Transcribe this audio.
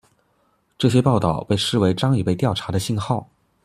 这些报道被视为张已被调查的信号。